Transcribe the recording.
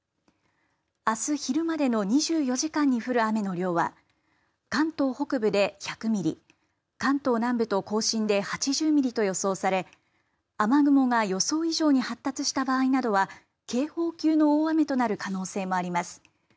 あす昼までの２４時間に降る雨の量は関東北部で１００ミリ関東南部と甲信で８０ミリと予想され雨雲が予想以上に発達した場合などは警報級の大雨となる可能性もあります。